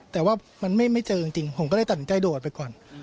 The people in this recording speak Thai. แต่ว่ามันไม่เจอจริงผมก็เลยตัดสินใจโดดไปก่อน